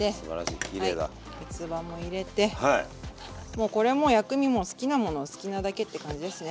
もうこれも薬味も好きなものを好きなだけって感じですね。